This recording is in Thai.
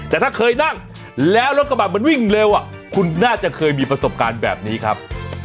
แต่ถ้าเคยนั่งแล้วรถกระบะมันวิ่งเร็วคุณน่าจะเคยมีประสบการณ์แบบนี้ครับ